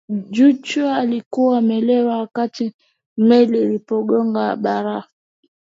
joughin alikuwa amelewa wakati meli ilipogonga barafu